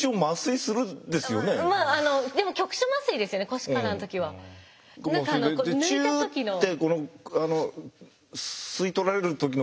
何かあの抜いた時の。